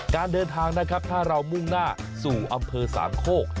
การเดินทางนะครับถ้าเรามุ่งหน้าสู่อำเภอสามโคก